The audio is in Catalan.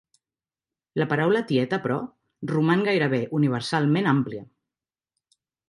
La paraula "tieta" però, roman gairebé universalment àmplia.